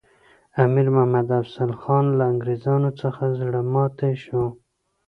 امیر محمد افضل خان له انګریزانو څخه زړه ماتي شو.